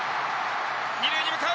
二塁に向かう。